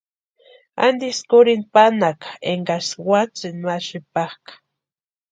¿Antisï kurhinta pánhaka énkaksï watsïni ma sïpaaka?